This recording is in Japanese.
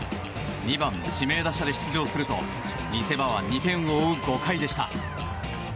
２番、指名打者で出場すると見せ場は２点を追う５回でした。